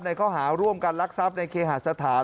ข้อหาร่วมกันลักทรัพย์ในเคหาสถาน